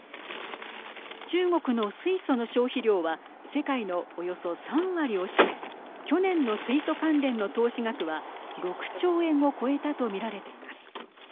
中国の水素の消費量は世界のおよそ３割を占め去年の水素関連の投資額は６兆円を超えたと見られています。